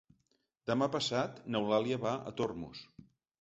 Demà passat n'Eulàlia va a Tormos.